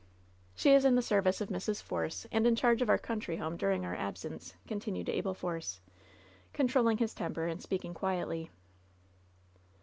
"She is in the service of Mrs. Force, and in charge of our country home during our absence," continued Abel Force, controlling his temper, and speaking quietly.